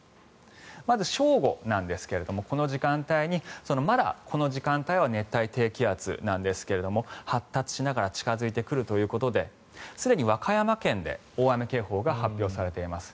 まず正午なんですがまだこの時間帯は熱帯低気圧なんですが発達しながら近付いてくるということですでに和歌山県で大雨警報が発表されています。